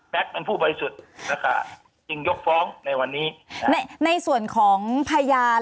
เป็นผู้บริสุทธิ์แล้วก็จึงยกฟ้องในวันนี้ในส่วนของพยาน